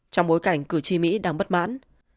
trong bối cảnh cử tri mỹ đang bất mãn